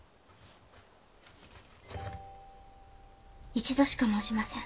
一度しか申しません。